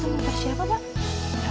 motor siapa pak